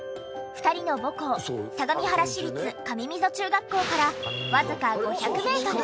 ２人の母校相模原市立上溝中学校からわずか５００メートル。